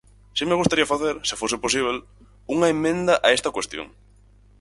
Si me gustaría facer, se fose posíbel, unha emenda a esta cuestión.